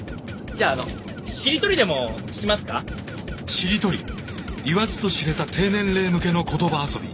しりとり言わずと知れた低年齢向けの言葉遊び。